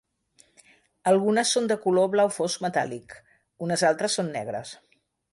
Algunes són de color blau fosc metàl·lic, unes altres són negres.